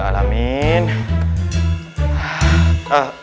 ustadz gak usah